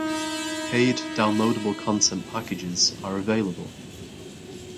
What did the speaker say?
Paid downloadable content packages are available.